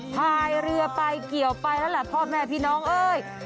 พายเรือไปเกี่ยวไปแล้วล่ะพ่อแม่พี่น้องเอ้ย